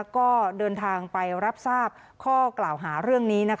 ก็เดินทางไปรับทราบข้อกล่าวหาเรื่องนี้